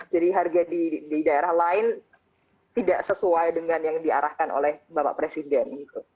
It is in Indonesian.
jadi harga di daerah lain tidak sesuai dengan yang diarahkan oleh bapak presiden